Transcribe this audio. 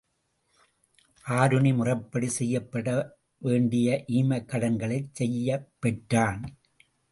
ஆருணி முறைப்படி செய்யப்பட வேண்டிய ஈமக்கடன்களைச் செய்யப் பெற்றான்.